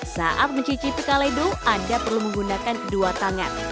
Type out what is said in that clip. saat mencicipi kale do anda perlu menggunakan kedua tangan